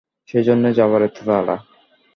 সেইজন্যেই যাবার এত তাড়া।